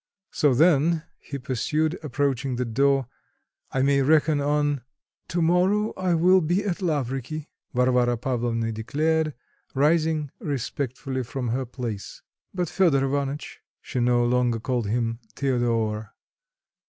"So then," he pursued, approaching the door, "I may reckon on " "To morrow I will be at Lavriky," Varvara Pavlovna declared, rising respectfully from her place. "But Fedor Ivanitch " (She no longer called him "Théodore.")